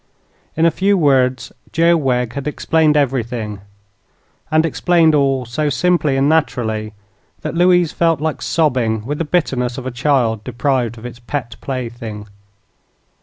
In a few words, Joe Wegg had explained everything, and explained all so simply and naturally that Louise felt like sobbing with the bitterness of a child deprived of its pet plaything.